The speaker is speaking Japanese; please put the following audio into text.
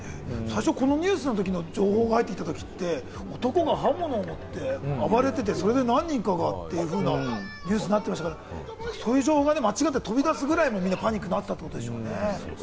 このニュースが最初に入ってきたとき、男が刃物を持って暴れてて、それで何人かがというニュースになってましたから、そういう情報が間違って飛び出すくらいのパニックになっていたんでしょうね。